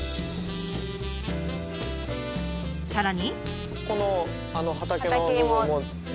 さらに。